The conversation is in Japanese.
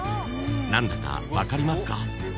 ［何だか分かりますか？］